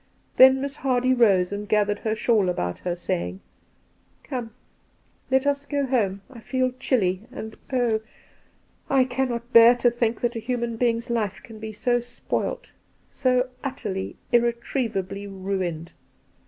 Then Miss Hardy rose and gathered her shawl about her, saying :' Come, let us go home. I feel chilly, and oh ! I cannot bear to think that a human being's life can be so spoiled, so utterly, irretrievably ruined.